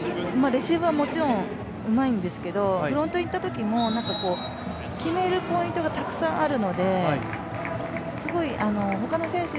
レシーブはもちろんうまいんですけどフロントいったときも決めるポイントがたくさんあるのですごい他の選手